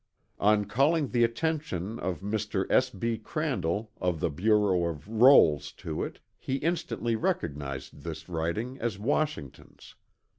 On calling the attention of Mr. S. B. Crandall of the Bureau of Rolls to it, he instantly recognized this writing as Washington's.